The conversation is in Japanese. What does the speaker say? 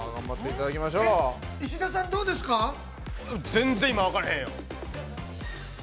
全然今分からへんよ。